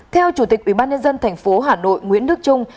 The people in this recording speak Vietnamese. theo chủ tịch ubnd tp hà nội nguyễn đức trung